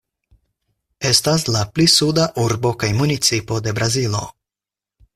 Estas la pli suda urbo kaj municipo de Brazilo.